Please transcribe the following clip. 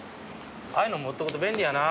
ああいうの持っとくと便利やな。